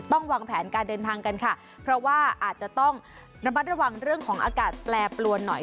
วางแผนการเดินทางกันค่ะเพราะว่าอาจจะต้องระมัดระวังเรื่องของอากาศแปรปรวนหน่อย